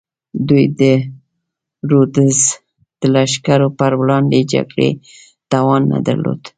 دوی د رودز د لښکرو پر وړاندې جګړې توان نه درلود.